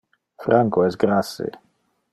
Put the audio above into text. Franco es grasse.